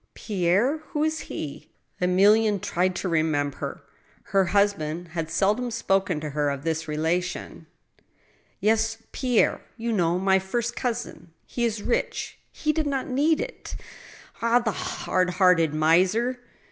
"Pierre? Who is he?" Emilienne tried to remember. Her husband had seldom spoken to her of this relation. " Yes, Pierre — ^you know — my first cousin. He is rich ; he did not need it Ah ! the hard hearted miser